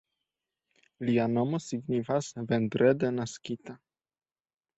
Lia nomo signifas "vendrede naskita.